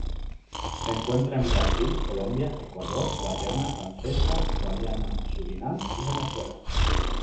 Se encuentra en Brasil, Colombia, Ecuador, Guayana Francesa, Guayana, Surinam y Venezuela.